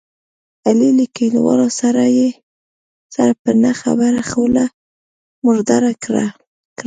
علي له کلیوالو سره په نه خبره خوله مرداره کړله.